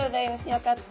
よかった。